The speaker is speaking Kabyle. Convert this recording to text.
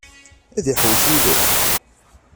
Ad iḥewwes yid-s?